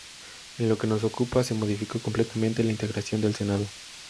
En lo que nos ocupa, se modificó completamente la integración del Senado.